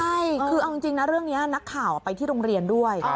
ใช่คือเอาจริงนะเรื่องนี้นักข่าวไปที่โรงเรียนด้วย